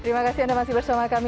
terima kasih anda masih bersama kami